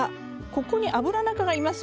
ここにアブラナ科がいますよね。